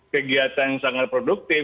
kegiatan yang sangat produktif